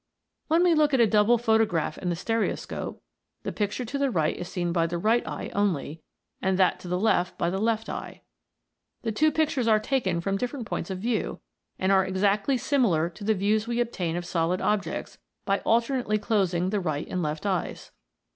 When we look at a double photograph in the stereoscope, the picture to the right is seen by the right eye only, and that to the left, by the left eye. The two pictures are taken from different points of view, and are exactly similar to the views we obtain of solid objects, by alternately closing the right and left eyes.